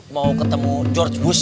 mau ketemu george bush